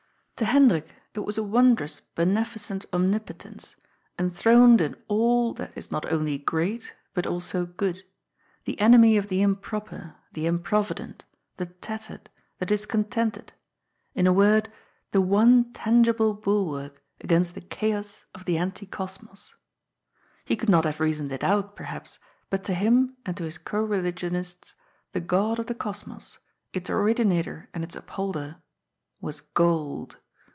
To Hendrik it was a wondrous beneficent Omnipotence, enthroned in all that is not only great, but also good, the enemy of the im proper, the improvident, the tattered, the discontented, in a word, the one tangible bulwark against the chaos of the anti cosmos. He could not have reasoned it out, perhaps, but to him and to his co religionists the god of the Cosmos, its originator and its upholder, was gold.